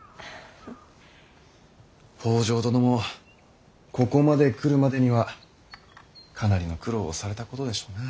北条殿もここまで来るまでにはかなりの苦労をされたことでしょうな。